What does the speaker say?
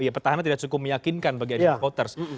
ya pertahanan tidak cukup meyakinkan bagi adik voters